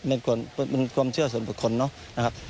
มันความเชื่อส่วนบุคคลนะครับ